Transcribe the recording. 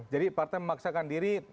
jadi partai memaksakan diri